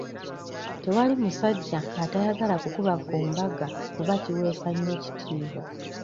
Tewali musajja atayagala kukuba ku mbaga kuba kiweesa nnyo ekitiibwa.